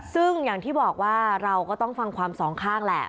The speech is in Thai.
ซึ่งอย่างที่บอกว่าเราก็ต้องฟังความสองข้างแหละ